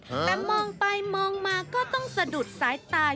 แต่มองไปมองมาก็ต้องสะดุดสายตา